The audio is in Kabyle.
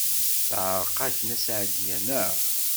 Teɛreq-ak Nna Seɛdiya, naɣ?